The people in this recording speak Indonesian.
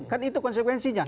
kan itu konsekuensinya